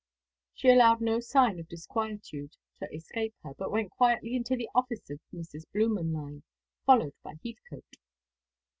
She allowed no sign of disquietude to escape her, but went quietly into the office of Messrs. Blümenlein, followed by Heathcote.